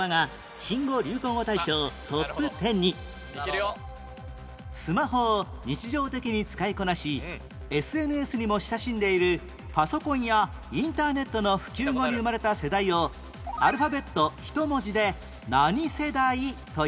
令和３年スマホを日常的に使いこなし ＳＮＳ にも親しんでいるパソコンやインターネットの普及後に生まれた世代をアルファベット１文字で何世代という？